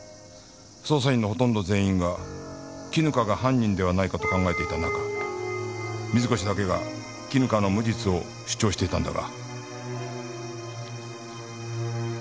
捜査員のほとんど全員が絹香が犯人ではないかと考えていた中水越だけが絹香の無実を主張していたんだが。